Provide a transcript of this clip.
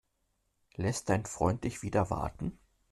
Lässt dein Freund dich wieder warten?